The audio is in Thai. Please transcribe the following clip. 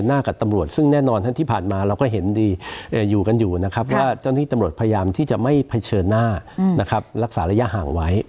แน่นอนที่ผ่านมาเราก็เห็นอยู่กันอยู่นะครับว่าตอนนี้ตำรวจพยายามที่จะไม่เผชิญหน้านะครับรักษาระยะห่างไว้